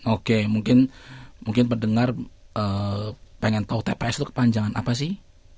oke mungkin pendengar pengen tahu tps itu kepanjangan apa sih